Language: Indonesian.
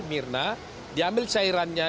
mirna diambil cairannya